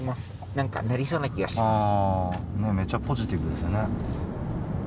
何かなりそうな気がしてます。